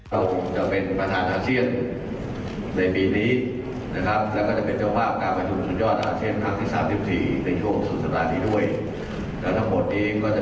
และความรอบในหลายด้านที่เราสามารถจะเดินหน้าขณะประเทศของเรา